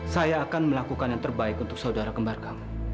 saya akan melakukan yang terbaik untuk saudara kembar kamu